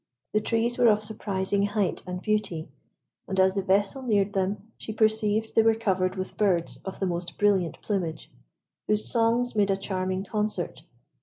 The trees were of surprising height and beauty, and as the vessel neared them, she perceived they were covered with birds of the most brilliant plumage, whose songs made a charming concert.